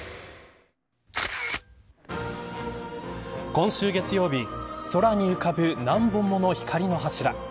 今週月曜日さらに浮かぶ何本もの光の柱。